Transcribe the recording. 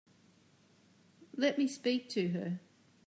Let me speak to her.